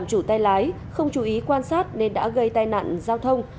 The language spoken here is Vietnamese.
xe lái không chú ý quan sát nên đã gây tai nạn giao thông